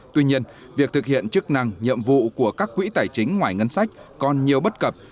tuy nhiên việc thực hiện chức năng nhiệm vụ của các quỹ tài chính ngoài ngân sách còn nhiều bất cập